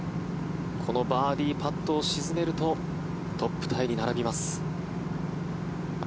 このバーディーパットを沈めるとトップタイに並びます。